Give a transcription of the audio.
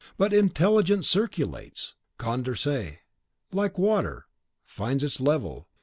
But intelligence circulates, Condorcet; like water, it finds its level.